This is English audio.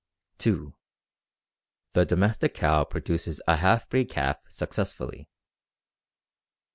(2) The domestic cow produces a half breed calf successfully.